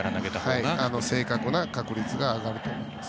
正確な確率が上がると思います。